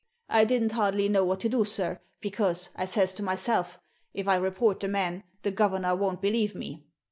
I didn't hardly know what to do, sir, because, I says to myself, if I report the man the governor won't believe me.